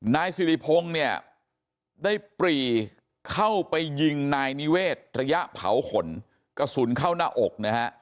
นายสิริพงศ์เนี่ยได้ปรีเข้าไปยิงนายนิเวศระยะเผาขนกระสุนเข้าหน้าอกนะฮะ